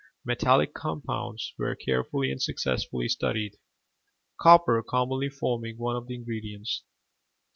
Metallic compounds were carefully and successfully studied, copper commonly forming one of the ingredients.